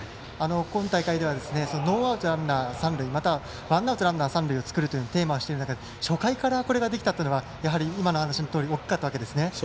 今大会ではノーアウトランナー、三塁またはワンアウトランナー、三塁を作るということをテーマにしている中で初回からこれができたのは今の話のとおり大きかったわけですね。